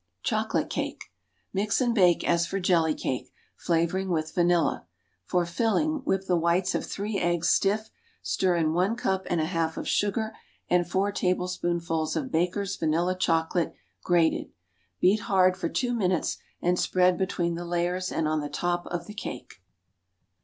Chocolate cake. Mix and bake as for jelly cake, flavoring with vanilla. For filling, whip the whites of three eggs stiff; stir in one cup and a half of sugar and four tablespoonfuls of Baker's Vanilla Chocolate, grated. Beat hard for two minutes and spread between the layers and on the top of the cake.